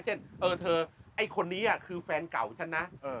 เช่นเออเธอไอ้คนนี้อ่ะคือแฟนเก่าฉันนะเออ